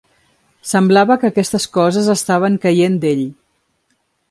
Semblava que aquestes coses estaven caient d'ell.